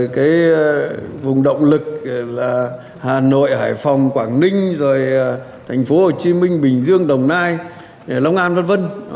và vùng động lực là hà nội hải phòng quảng ninh thành phố hồ chí minh bình dương đồng nai lông an v v